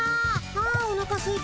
あおなかすいた。